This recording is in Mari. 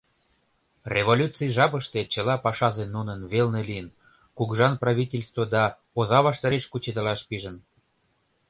Революций жапыште чыла пашазе нунын велне лийын, кугыжан правительство да оза ваштареш кучедалаш пижын.